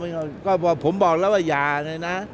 ไม่มีหลอกนิดหน่อยนะก็ก็ยังว่าก็ผมบอกแล้วว่าอย่าเลยนะ